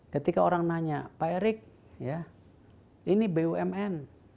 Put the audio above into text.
ketika orang nanya pak erik ini bumn